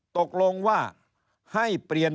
ตกลงว่าให้เปลี่ยน